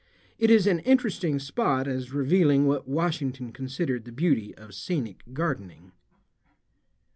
It is an interesting spot as revealing what Washington considered the beauty of scenic gardening.